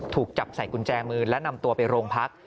ถูกจับใส่กุญแจมือและนำตัวไปโรงพัก